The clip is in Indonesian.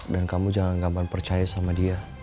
dan kamu jangan gampang percaya sama dia